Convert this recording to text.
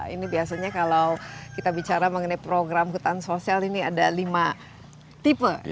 ini biasanya kalau kita bicara mengenai program hutan sosial ini ada lima tipe